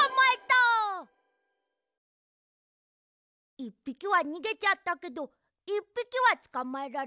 １ぴきはにげちゃったけど１ぴきはつかまえられた。